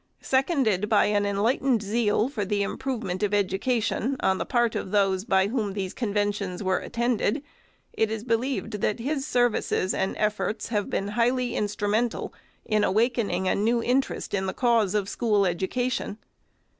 Seconded by an enlightened zeal for the improvement of education, on the part of those by whom these conventions were attended, it is believed that his services and efforts have been highly instrumental in awakening a new interest in the cause of school educa 374 FIRST ANNUAL REPORT tlon.